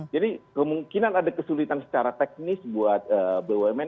jadi kemungkinan ada kesulitan secara teknis buat bumn